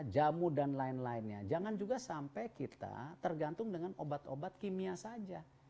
jamu dan lain lainnya jangan juga sampai kita tergantung dengan obat obat kimia saja